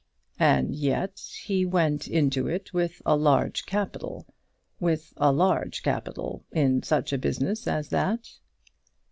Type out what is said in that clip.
"And yet he went into it with a large capital, with a large capital in such a business as that."